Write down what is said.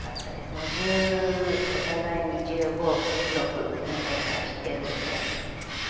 もうお互いに１５１６の頃から知ってるので。